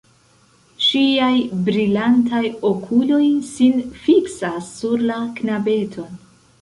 Ŝiaj brilantaj okuloj sin fiksas sur la knabeton.